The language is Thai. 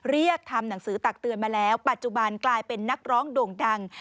เรียกทำหนังสือตักเตือนมาแล้วปัจจุบันกลายเป็นนักร้องโด่งดัง